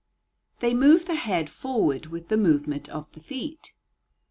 They move the head forward with the movement of the feet.